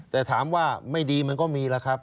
แต่ถามว่าไม่ดีมันก็มีแล้วครับ